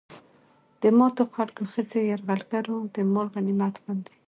د ماتو خلکو ښځې يرغلګرو د مال غنميت غوندې